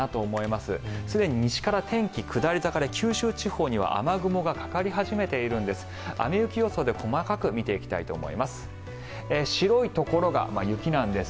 すでに西から天気は下り坂で九州地方には雨雲がかかり始めているんです。